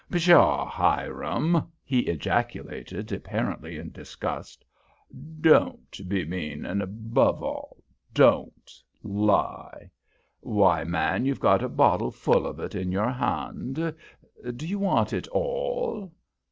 "Pshaw, Hiram!" he ejaculated, apparently in disgust. "Don't be mean, and, above all, don't lie. Why, man, you've got a bottle full of it in your hand! Do you want it all?"